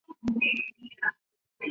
贞观五年于原州置原州都督府。